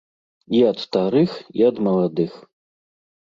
І ад старых, і ад маладых.